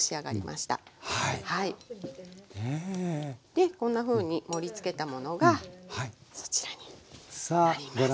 でこんなふうに盛りつけたものがそちらになります。